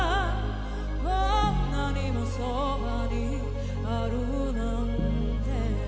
「こんなにも側にあるなんて」